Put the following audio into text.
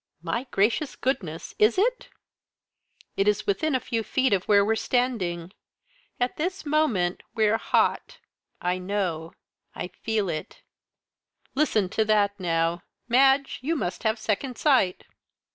"My gracious goodness! Is it?" "It is within a few feet of where we're standing. At this moment we're 'hot,' I know I feel it!" "Listen to that now! Madge, you must have second sight."